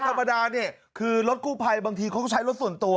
ธรรมดาเนี่ยคือรถกู้ภัยบางทีเขาก็ใช้รถส่วนตัว